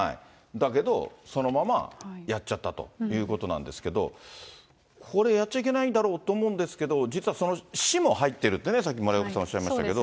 だけどそのままやっちゃったということなんですけど、これ、やっちゃいけないだろうと思うんですけれども、実はその市も入ってるってね、さっき丸岡さんもおっしゃいましたけれども。